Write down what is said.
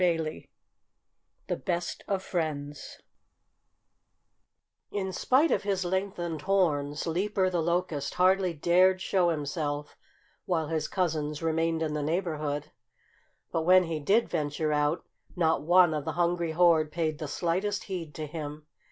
XXIII THE BEST OF FRIENDS In spite of his lengthened horns, Leaper the Locust hardly dared show himself while his cousins remained in the neighborhood. But when he did venture out, not one of the hungry horde paid the slightest heed to him.